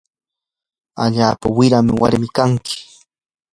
allaapa wira warmin kanki.